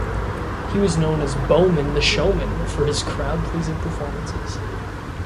He was known as "Bowman the Showman" for his crowd-pleasing performances.